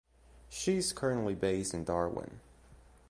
She is currently based in Darwin.